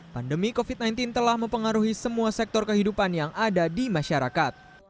pandemi covid sembilan belas telah mempengaruhi semua sektor kehidupan yang ada di masyarakat